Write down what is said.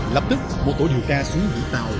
lập tức một tổ điều tra xuống vũ tàu